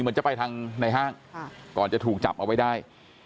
เหมือนจะไปทางในห้างก่อนจะถูกจับเอาไว้ได้